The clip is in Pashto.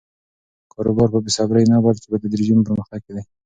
کاروبار په بې صبري نه، بلکې په تدریجي پرمختګ کې دی.